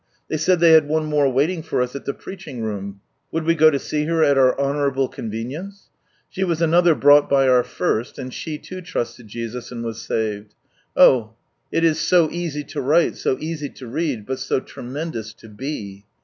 They said they had one more waiting for us at the preaching room : would we go to see her at our honourable convenience ? She was another brought by our " first," and she, too, trusted Jesus, and was saved. Oh ! it is so easy to write, so easy to read, but so tremendous lo be.